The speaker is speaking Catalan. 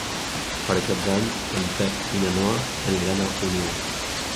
Per Cap d'Any en Pep i na Noa aniran a Onil.